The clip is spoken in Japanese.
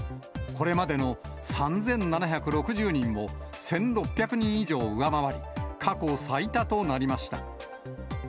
これまでの３７６０人を１６００人以上上回り、過去最多となりました。